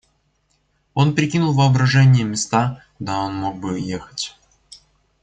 Он прикинул воображением места, куда он мог бы ехать.